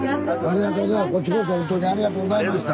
ありがとうございます。